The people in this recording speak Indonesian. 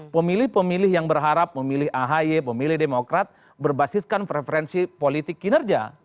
pemilih pemilih yang berharap memilih ahy pemilih demokrat berbasiskan preferensi politik kinerja